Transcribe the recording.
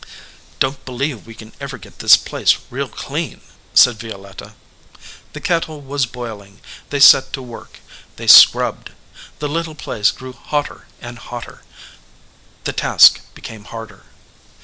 "Don t believe we can ever get this place real clean," said Violetta. The kettle was boiling. They set to work. They scrubbed. The little place grew hotter and hotter. The task became harder.